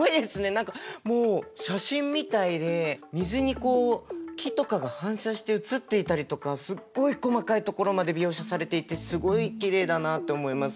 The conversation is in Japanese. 何かもう写真みたいで水に木とかが反射して映っていたりとかすっごい細かいところまで描写されていてすごいきれいだなって思います。